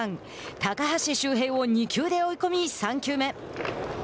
高橋周平を２球で追い込み３球目。